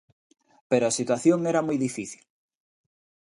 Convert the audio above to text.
Pero a situación era moi difícil.